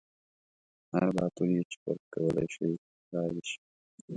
هر باتور یې چې پورته کولی شي را دې شي.